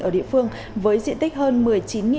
ở địa phương với diện tích hơn